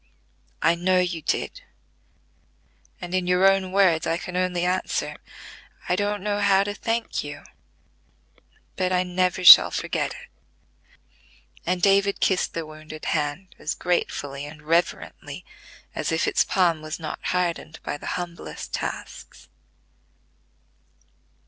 "I know you did; and in your own words I can only answer: 'I don't know how to thank you, but I never shall forget it.'" And David kissed the wounded hand as gratefully and reverently as if its palm was not hardened by the humblest tasks.